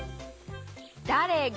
「だれが」